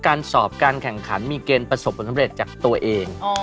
การสอบการแข่งขันมีเกณฑ์ประสบความขึ้นข้างดูดจากตัวเอง